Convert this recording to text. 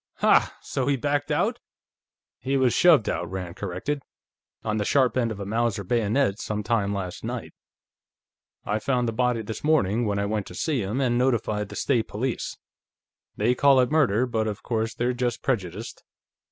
"Ha! So he backed out?" "He was shoved out," Rand corrected. "On the sharp end of a Mauser bayonet, sometime last night. I found the body this morning, when I went to see him, and notified the State Police. They call it murder, but of course, they're just prejudiced.